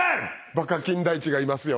バカ金田一がいますよ。